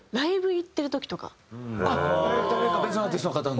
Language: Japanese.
誰か別のアーティストの方の？